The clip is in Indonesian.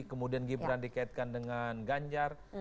kemudian gibran dikaitkan dengan ganjar